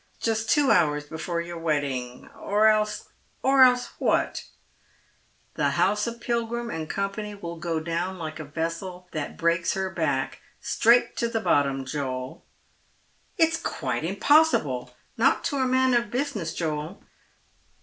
Just two hours before your wedding. Or elss ——"" Or else what r " "Tlie house of Pilgrim and Company will go down like & vessel that breaks her back — straight to the bottom, Joeh" " It is quite impossible." " Not to a man of business, Joel.